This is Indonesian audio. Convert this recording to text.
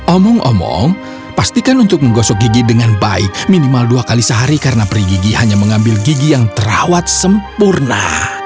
omong omong pastikan untuk menggosok gigi dengan baik minimal dua kali sehari karena peri gigi hanya mengambil gigi yang terawat sempurna